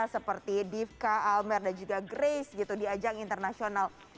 seperti divka almer dan juga grace gitu di ajang internasional